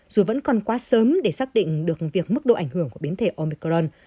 dù vẫn còn quá sớm để xác định được việc mức độ ảnh hưởng của biến thể omicron